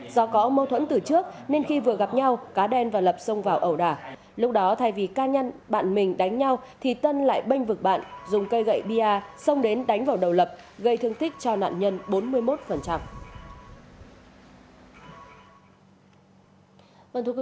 do có mâu thuẫn từ trước nên khi vừa gặp nhau cá đen và lập xông vào ẩu đả lúc đó thay vì cá nhân bạn mình đánh nhau thì tân lại bênh vực bạn dùng cây gậy bia xông đến đánh vào đầu lập gây thương tích cho nạn nhân bốn mươi một